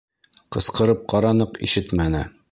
Ҡысҡырып ҡараныҡ, ишетмәне.